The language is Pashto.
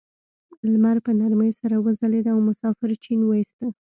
لمر په نرمۍ سره وځلید او مسافر چپن وویسته.